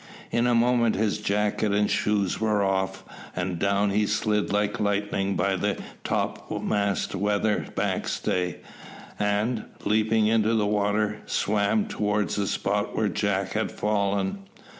In a moment his jacket and shoes were off, and down he slid like lightning by the topmast weather backstay, and, leaping into the water, swam towards the spot where Jack had fallen.